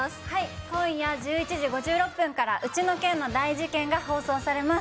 今夜１１時５６分から「ウチの県の大事ケン」が放送されます。